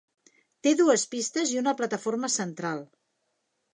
Té dues pistes i una plataforma central.